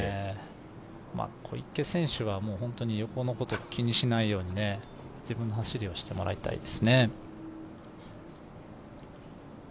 小池選手は横のこと気にしないように自分の走りをしてもらいたいですね。